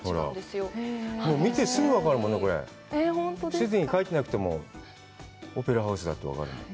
シドニーって書いてなくてもオペラハウスだって分かる。